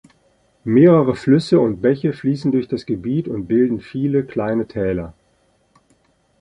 Mehrere Flüsse und Bäche fließen durch das Gebiet und bilden viele kleine Täler.